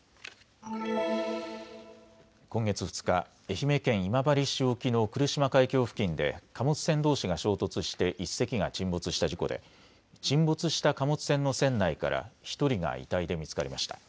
今月２日、愛媛県今治市沖の来島海峡付近で貨物船どうしが衝突して１隻が沈没した事故で沈没した貨物船の船内から１人が遺体で見つかりました。